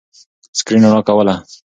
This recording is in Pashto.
سکرین رڼا کوله.